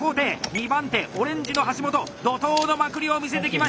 ２番手オレンジの橋本怒濤のまくりを見せてきました！